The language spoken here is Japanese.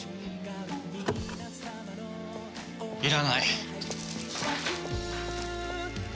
いらない。